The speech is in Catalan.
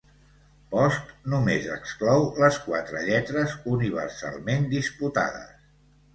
Post només exclou les quatre lletres universalment disputades.